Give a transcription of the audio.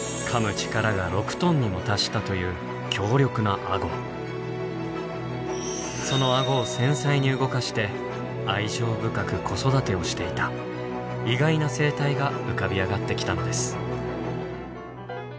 力が６トンにも達したというそのアゴを繊細に動かして愛情深く子育てをしていた意外な生態が浮かび上がってきたのです。